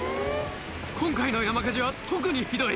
今回の山火事は特にひどい！